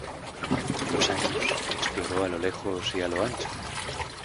Con los años, exploró a lo lejos y a lo ancho.